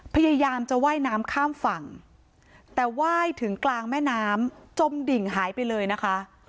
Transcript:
พยายามจะว่ายน้ำข้ามฝั่งแต่ไหว้ถึงกลางแม่น้ำจมดิ่งหายไปเลยนะคะ